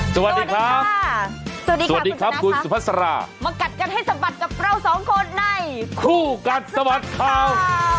สวัสดีครับสวัสดีครับสวัสดีครับคุณสุภาษามากัดกันให้สะบัดกับเราสองคนในคู่กัดสะบัดข่าว